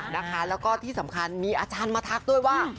แล้วก็ที่สำคัญมีอาจารย์มาทักด้วยว่า